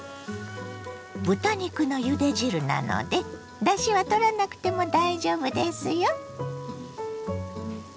豚肉のゆで汁なのでだしはとらなくても大丈夫ですよ。